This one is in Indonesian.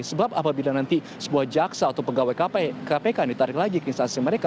sebab apabila nanti sebuah jaksa atau pegawai kpk ditarik lagi ke instansi mereka